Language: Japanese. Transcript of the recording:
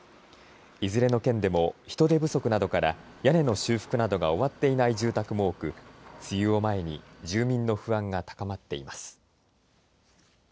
いずれの県でも人手不足などから屋根の修復などが終わっていない住宅も多く梅雨を前に住民の不安が高まっています。